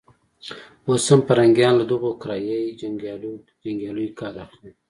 اوس هم پرنګيان له دغو کرایه يي جنګیالیو کار اخلي.